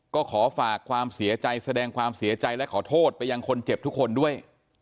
ก็ขอฝากความเสียใจแสดงความเสียใจและขอโทษไปยังคนเจ็บทุกคนด้วย